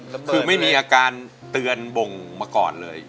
คือไม่มีอาการเตือนบ่งมาก่อนเลย